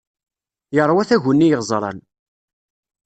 Yeṛwa taguni iɣeẓran.